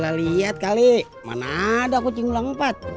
lo salah lihat kali mana ada kucing belang empat